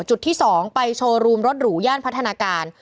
จุดที่๒ไปโชว์รูมรถหรูย่านพัฒนาการ